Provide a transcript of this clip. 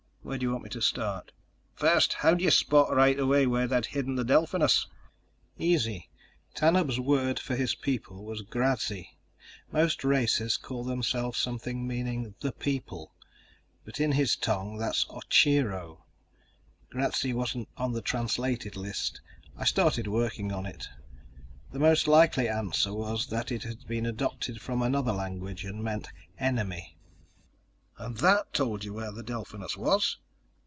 "Where do you want me to start?" "First, how'd you spot right away where they'd hidden the Delphinus?" "Easy. Tanub's word for his people was Grazzi. Most races call themselves something meaning The People. But in his tongue that's Ocheero. Grazzi wasn't on the translated list. I started working on it. The most likely answer was that it had been adopted from another language, and meant enemy." "And that told you where the Delphinus was?"